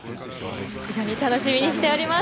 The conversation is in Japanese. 非常に楽しみにしております。